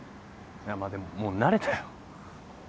いやまあでももう慣れたよ。